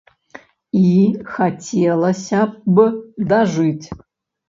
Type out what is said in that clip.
І хацелася б дажыць.